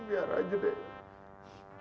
biar aja deh